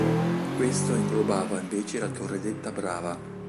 Questo inglobava invece la torre detta "Brava".